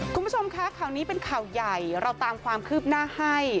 คุณผู้ชมคะข่าวนี้เป็นข่าวใหญ่เราตามความคืบหน้าให้